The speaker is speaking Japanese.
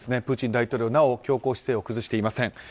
プーチン大統領なお強硬姿勢を崩していません。